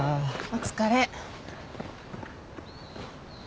お疲れ。